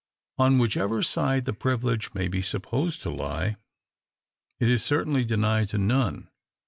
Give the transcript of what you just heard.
On whichever side the privilege may be supposed to lie, it is certainly denied to none.